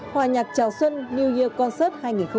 hòa nhạc chào xuân new year concert hai nghìn hai mươi bốn